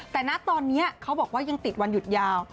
แต่ณตอนนี้เขาบอกว่ายังติดวันหยุดยาว